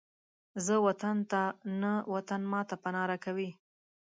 زه وطن ته نه، وطن ماته پناه راکوي